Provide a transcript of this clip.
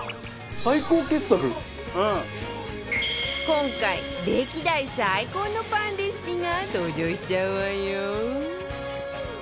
今回歴代最高のパンレシピが登場しちゃうわよ